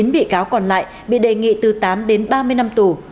chín bị cáo còn lại bị đề nghị từ tám đến ba mươi năm tù